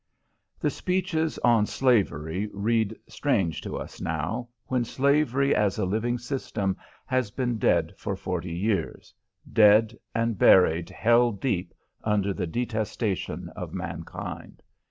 The speeches on Slavery read strange to us now, when slavery as a living system has been dead for forty years, dead and buried hell deep under the detestation of mankind.